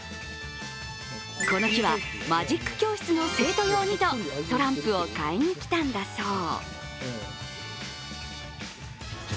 この日はマジック教室の生徒用にとトランプを買いにきたんだそう。